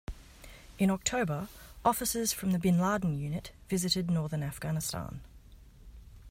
In October, officers from the Bin Laden unit visited northern Afghanistan.